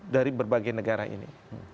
dari berbagai negara ini